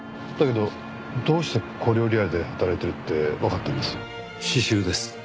だけどどうして小料理屋で働いてるってわかったんです？